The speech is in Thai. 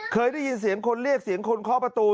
เคยได้ยินเสียงคนเรียกเสียงคนเคาะประตู